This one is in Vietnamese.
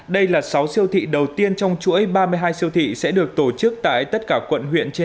đây là sáu siêu thị đầu tiên trong chuỗi ba mươi hai siêu thị sẽ được tổ chức tại tất cả quận huyện trên